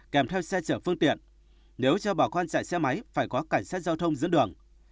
kèm theo xe chở phương tiện nếu cho bà con chạy xe máy phải có cảnh sát giao thông dẫn đường